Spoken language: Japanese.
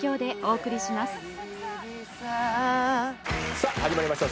さぁ始まりました